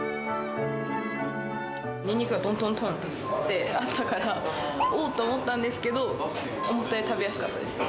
ニンニクがとんとんってあったから、おーっと思ったんですけど、思ったより食べやすかったです。